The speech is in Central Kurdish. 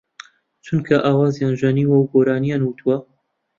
چونکە ئاوازیان ژەنیوە و گۆرانییان وتووە